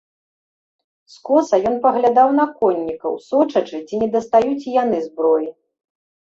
Скоса ён паглядаў на коннікаў, сочачы, ці не дастаюць і яны зброі.